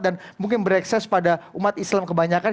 dan mungkin terekses pada umat islam kebanyakan